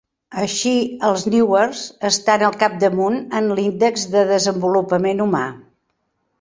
Així, els Newars estan al capdamunt en l'índex de desenvolupament humà.